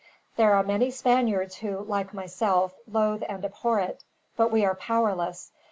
There are many Spaniards who, like myself, loathe and abhor it; but we are powerless.